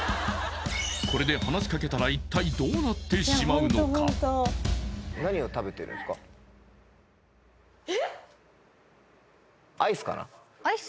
これで話しかけたら一体どうなってしまうのかアイス？